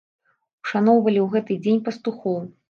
Ушаноўвалі ў гэты дзень пастухоў.